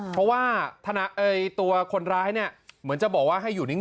เพราะว่าตัวคนร้ายเนี่ยเหมือนจะบอกว่าให้อยู่นิ่ง